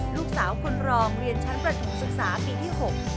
ลูกสาวคนรองเรียนชั้นประถมศึกษาปีที่๖